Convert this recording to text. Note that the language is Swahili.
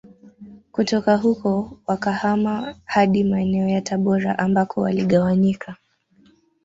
Kutoka huko wakahama hadi maeneo ya Tabora ambako waligawanyika